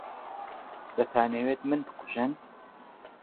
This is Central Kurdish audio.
دەتانەوێت من بکوژن؟